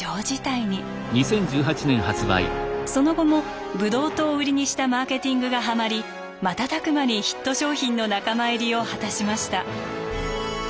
その後もぶどう糖を売りにしたマーケティングがハマり瞬く間にヒット商品の仲間入りを果たしました。